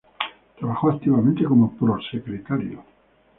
Trabajó activamente como prosecretario.